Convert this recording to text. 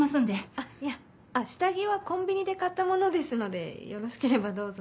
あっいや下着はコンビニで買ったものですのでよろしければどうぞ。